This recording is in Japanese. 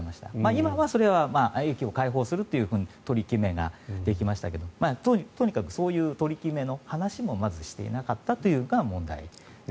今はそれは、駅を開放するという取り決めができましたけどとにかくそういう取り決めの話もまずしていなかったのが問題ですね。